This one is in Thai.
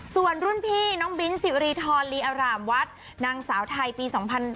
ส่วนรุ่นพี่น้องสิริธรลีอารามวัดนางสาวไทยปี๒๕๕๙